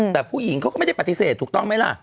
แต่ผู้หญิงเขาก็ไม่ได้ปฏิเสธถูกต้องไหมล่ะ